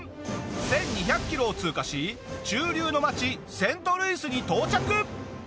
１２００キロを通過し中流の街セントルイスに到着！